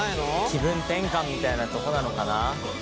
気分転換みたいなことなのかな？